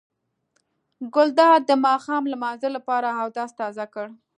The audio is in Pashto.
ګلداد د ماښام لمانځه لپاره اودس تازه کړ.